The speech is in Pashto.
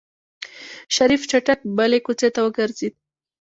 شريف چټک بلې کوڅې ته وګرځېد.